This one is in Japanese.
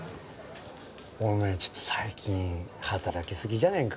おめえちょっと最近働きすぎじゃねえか？